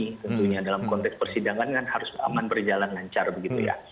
tentunya dalam konteks persidangan kan harus aman berjalan lancar begitu ya